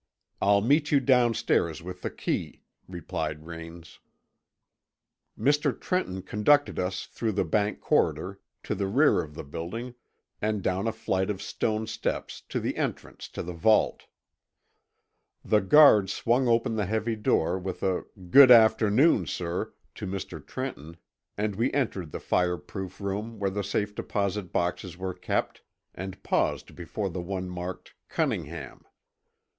I'll meet you downstairs with the key," replied Raines. Mr. Trenton conducted us through the bank corridor to the rear of the building and down a flight of stone steps to the entrance to the vault. The guard swung open the heavy door with a "good afternoon, sir," to Mr. Trenton, and we entered the fireproof room where the safe deposit boxes were kept and paused before the one marked Cunningham.